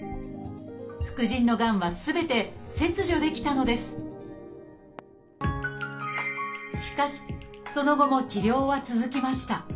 副腎のがんはすべて切除できたのですしかしその後も治療は続きました。